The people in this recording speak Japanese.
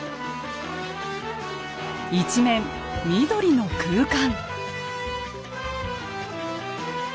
一面緑の空間。